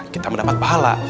kita mendapat pahala